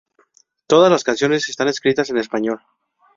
Todas las canciones están escritas en español.